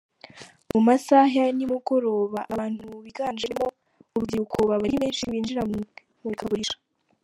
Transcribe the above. Mu masaha ya ni mugoro abantu biganjemo urubyiruko baba ari benshi binjira mu imurikagurisha.